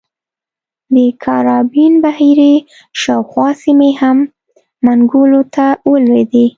د کارابین بحیرې شاوخوا سیمې هم منګولو ته ولوېدې.